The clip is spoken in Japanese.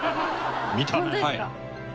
見たねえ。